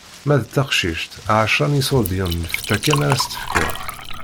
Ma d taqcict ɛecṛa n iṣurdiyen n lfeṭṭa kan ara s-tefkeḍ.